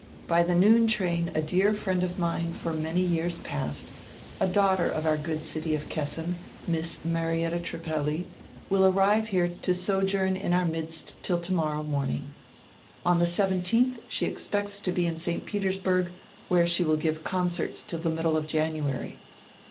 By die noon train a dear friend of mine for many years past, a daughter of our good city of Kessin, Miss Marietta Trippelli, will arive here to sojourn in our midst till tomorrow morning. On die 1 7di she expects to be in St. Petersburg, where she will give concerts till die middle of January.